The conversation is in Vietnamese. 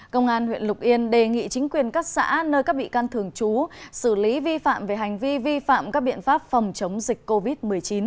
công an huyện lục yên đề nghị chính quyền các xã nơi các bị can thường trú xử lý vi phạm về hành vi vi phạm các biện pháp phòng chống dịch covid một mươi chín